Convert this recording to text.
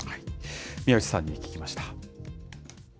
宮内さんに聞きました。